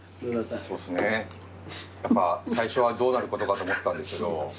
やっぱ最初はどうなることかと思ったんですけど。